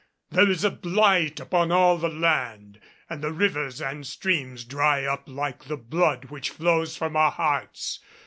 There is a blight upon all the land, and the rivers and streams dry up like the blood which flows from our hearts.